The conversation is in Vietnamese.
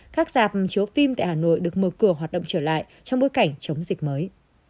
các dạp chiếu phim tại hà nội được mở cửa hoạt động trở lại trong bối cảnh chống dịch mới